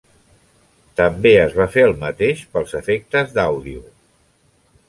També es va fer el mateix pels efectes d'àudio.